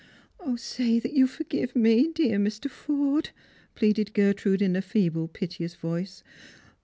" Say that you forgive me, dear Mr. Forde/' pleaded Gertrude in a feeble piteous voice.